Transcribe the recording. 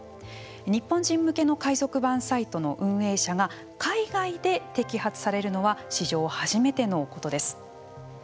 日本人向けの海賊版サイトの運営者が海外で摘発されるのは史上初めてのことです。